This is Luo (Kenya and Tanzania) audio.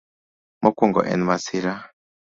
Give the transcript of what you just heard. Mokwongo, en masira.